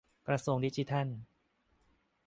-กระทรวงดิจิทัล